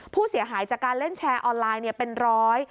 ผู้เสียหายจากการเล่นแชร์ออนไลน์เป็นร้อย